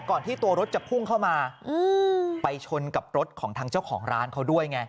ที่ตัวรถจะพุ่งเข้ามาไปชนกับรถของทางเจ้าของร้านเขาด้วยไง